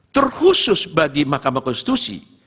terkhusus bagi mahkamah konstitusi